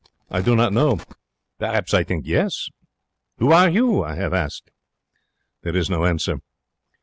I do not know. Per'aps I think yes. 'Who are you?' I have asked. There is no answer.